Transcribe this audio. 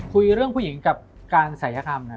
คุยเรื่องผู้หญิงกับการศัยธรรม